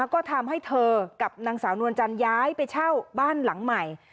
ก็ทำให้เธอกับนางสาวนวลจันทร์ย้ายไปเช่าบ้านหลังใหม่